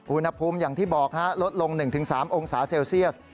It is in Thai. อุณหภูมิอย่างที่บอกลดลง๑๓องศาเซลเซียส